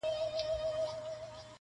کله کله مي را وګرځي په زړه کي -